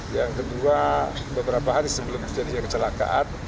yang kedua beberapa hari sebelum terjadinya kecelakaan